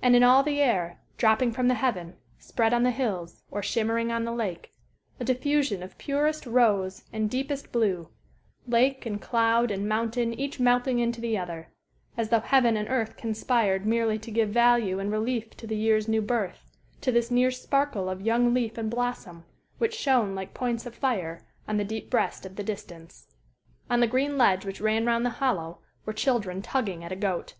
And in all the air, dropping from the heaven, spread on the hills, or shimmering on the lake, a diffusion of purest rose and deepest blue, lake and cloud and mountain each melting into the other, as though heaven and earth conspired merely to give value and relief to the year's new birth, to this near sparkle of young leaf and blossom which shone like points of fire on the deep breast of the distance. On the green ledge which ran round the hollow were children tugging at a goat.